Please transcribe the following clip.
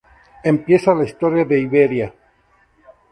Empieza la historia de Iberia.